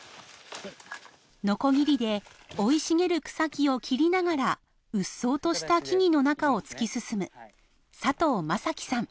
ノコギリで生い茂る草木を切りながらうっそうとした木々の中を突き進む佐藤将貴さん。